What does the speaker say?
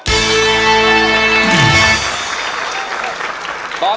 ถูกนะครับ